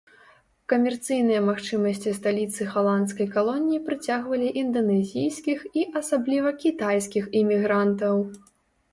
Камерцыйныя магчымасці сталіцы галандскай калоніі прыцягвалі інданезійскіх і асабліва кітайскіх імігрантаў.